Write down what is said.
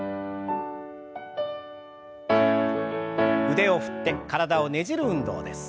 腕を振って体をねじる運動です。